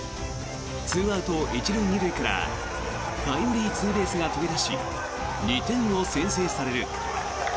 ２アウト１塁２塁からタイムリーツーベースが飛び出し２点を先制される。